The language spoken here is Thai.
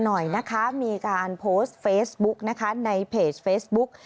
หน่อยนะคะมีการโพสต์เฟซบุ๊กนะคะในเพจเฟซบุ๊ก